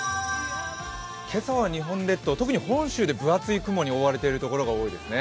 今朝は日本列島、特に本州で分厚い雲に覆われている所が多いですね。